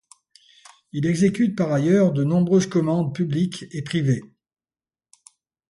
Il exécute par ailleurs de nombreuses commandes publiques et privées.